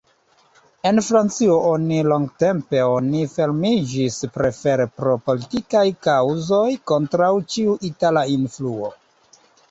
En Francio oni longtempe oni fermiĝis, prefere pro politikaj kaŭzoj, kontraŭ ĉiu itala influo.